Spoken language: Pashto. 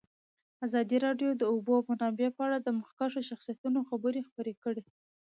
ازادي راډیو د د اوبو منابع په اړه د مخکښو شخصیتونو خبرې خپرې کړي.